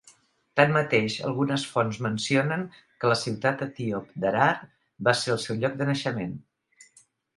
Tanmateix, algunes fonts mencionen que la ciutat etíop d'Harar va ser el seu lloc de naixement.